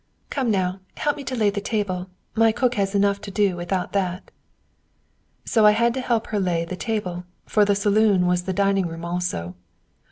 "Come now, help me to lay the table! My cook has enough to do without that." So I had to help her lay the table, for the saloon was the dining room also.